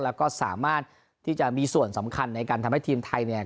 แล้วก็สามารถที่จะมีส่วนสำคัญในการทำให้ทีมไทยเนี่ย